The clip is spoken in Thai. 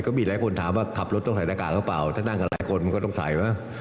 ก็มีหลายคนถามว่าขับรถต้องใส่รายกากหรือเปล่าถ้านั่งกับหลายคนมันก็ต้องใส่